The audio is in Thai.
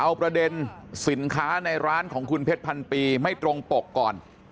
เอาประเด็นสินค้าในร้านของคุณเพชรพันปีไม่ตรงปกก่อน